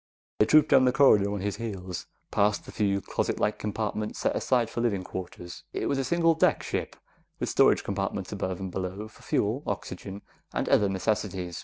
They trooped down the corridor on his heels, past the few closet like compartments set aside for living quarters. It was a single deck ship, with storage compartments above and below for fuel, oxygen, and other necessities.